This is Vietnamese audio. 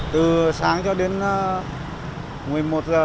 từ sáng cho đến một mươi một h